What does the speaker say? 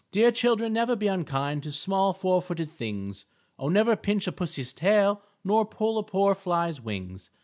_Dear children, never be unkind To small four footed things. Oh, never pinch a pussy's tail Nor pull a poor fly's wings.